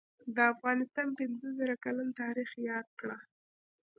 دافغانستان پنځه زره کلن تاریخ یاد کړه